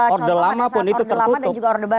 orde lama pun itu tertutup